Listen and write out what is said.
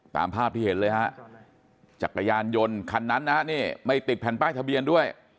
ตามภาพที่เห็นเลยฮะจักรยานยนต์คันนั้นนะนี่ไม่ติดแผ่นป้ายทะเบียนด้วย